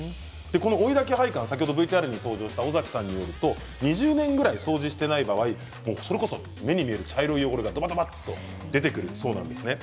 この追いだき配管ＶＴＲに登場した尾崎さんによると２０年ぐらい掃除していない場合それこそ目に見えない茶色い汚れが、どばどばっと出てくるそうなんです。